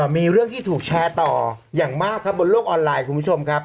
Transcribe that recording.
มีเรื่องที่ถูกแชร์ต่ออย่างมากครับบนโลกออนไลน์คุณผู้ชมครับ